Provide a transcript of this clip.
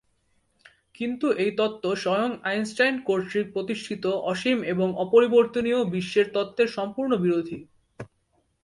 কিন্তু এই তত্ত্ব স্বয়ং আইনস্টাইন কর্তৃক প্রতিষ্ঠিত অসীম এবং অপরিবর্তনীয় বিশ্বের তত্ত্বের সম্পূর্ণ বিরোধী।